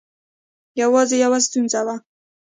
یوازې یوه ستونزه وه.